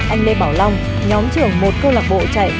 anh lê bảo long nhóm trưởng một câu lạc bộ chạy